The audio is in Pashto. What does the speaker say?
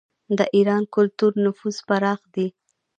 د ایران کلتوري نفوذ پراخ دی.